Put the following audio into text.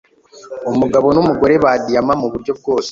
umugabo numugore ba diyama muburyo bwose